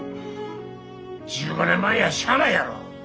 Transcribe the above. １５年前やしゃあないやろ。